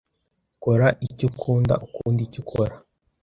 kora icyo ukunda, ukunde icyo ukora